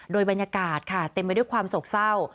โดยบรรยากาศค่ะเต็มไปด้วยความโศกเศร้า